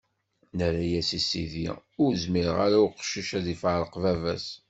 Nerra-as i sidi: Ur izmir ara uqcic ad ifareq baba-s.